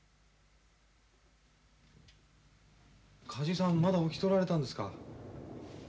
梶井さんまだ起きとられたんですか。